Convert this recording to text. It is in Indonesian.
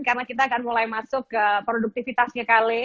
karena kita akan mulai masuk ke produktivitasnya kale